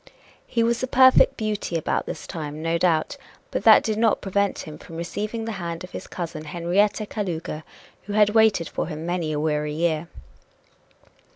He was a perfect beauty about this time, no doubt, but that did not prevent him from receiving the hand of his cousin Henrietta Kalouga, who had waited for him many a weary year.